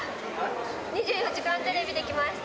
２４時間テレビで来ました。